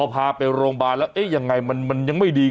เพราะอะไร